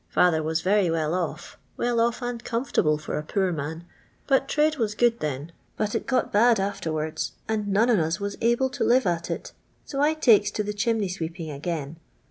Father waa very weil off— well off and comfortable for a poor man— but trade was good then. But ii got bad afterwards, and none on ua waa able to live at it ; so I takes to tke chimney sweeping again.